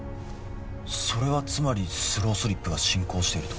それはつまりスロースリップが進行していると？